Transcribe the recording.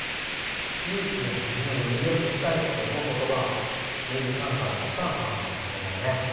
地域や国をよりよくしたいって思うことが政治参加のスタートなのかもしれないね。